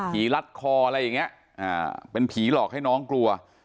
รัดคออะไรอย่างนี้เป็นผีหลอกให้น้องกลัว